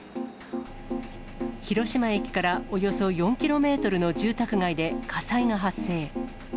広島駅からおよそ４キロメートルの住宅街で火災が発生。